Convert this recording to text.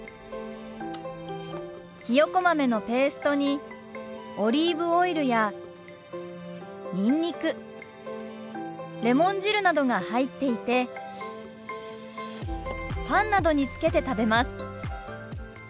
ひよこ豆のペーストにオリーブオイルやにんにくレモン汁などが入っていてパンなどにつけて食べます。